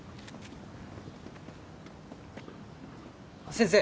先生！